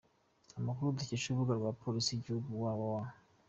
Amakuru dukesha urubuga rwa Polisi y’Igihugu, www.